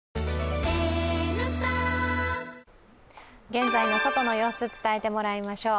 現在の外の様子、伝えてもらいましょう。